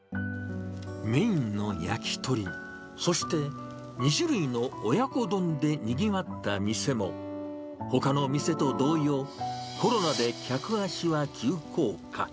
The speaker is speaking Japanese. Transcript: メインの焼き鳥、そして２種類の親子丼でにぎわった店も、ほかの店と同様、コロナで客足は急降下。